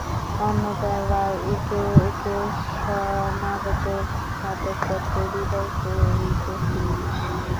অন্নদা রায় একে একে সমাগত খাতকপত্র বিদায় করিতেছিলেন।